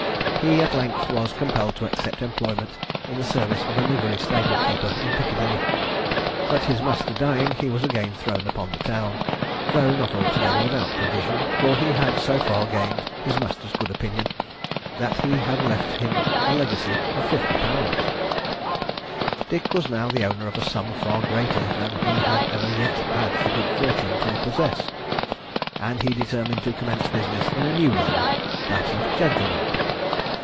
He, at length, was compelled to accept employment in the service of a livery stable keeper in Piccadilly; but his master dying, he was again thrown upon the town, though not altogether without provision, for he had so far gained his master's good opinion, that he had left him a legacy of 50_l._ Dick was now the owner of a sum far greater than he had ever yet had the good fortune to possess; and he determined to commence business in a new line that of gentleman.